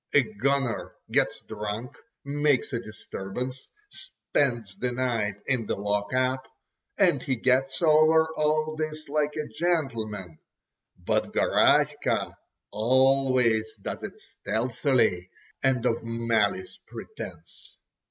A "gunner" gets drunk, makes a disturbance, spends the night in the lock up, and he gets over all this like a gentleman—but Garaska always does it stealthily, and of malice prepense.